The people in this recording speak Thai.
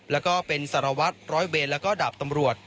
แล้วก็เป็นสารวัตรร้อยเวรแล้วก็ดาบตำรวจ